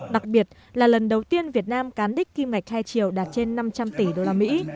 đặc biệt là lần đầu tiên việt nam cán đích kim ngạch hai triệu đạt trên năm trăm linh tỷ đô la mỹ